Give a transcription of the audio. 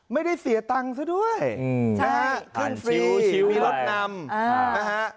ไม่ได้เสียตังค์ซะด้วยขึ้นฟรีมีรถนำ